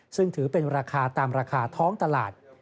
ซึ่งถือเป็นราคาตามราคาท้องตลาด